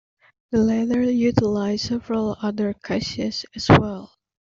The latter utilizes several other cassias, as well.